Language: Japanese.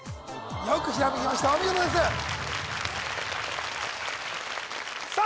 よくひらめきましたお見事ですさあ